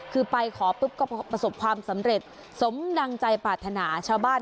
คือไปขอปุ๊บก็ประสบความสำเร็จสมดังใจปรารถนาชาวบ้าน